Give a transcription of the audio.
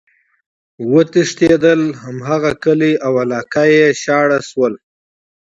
وتښتيدل!! هماغه کلي او علاقي ئی شاړ شول،